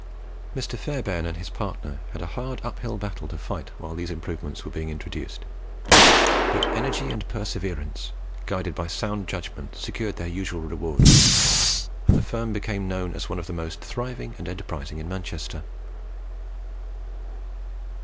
Mr. Fairbairn and his partner had a hard uphill battle to fight while these improvements were being introduced; but energy and perseverance, guided by sound judgment, secured their usual reward, and the firm became known as one of the most thriving and enterprising in Manchester.